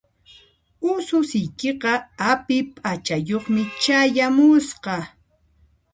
Ususiykiqa api p'achayuqmi chayamusqa.